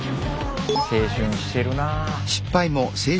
青春してるなあ。